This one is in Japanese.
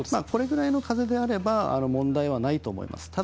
これぐらいの風であれば問題ないと思います。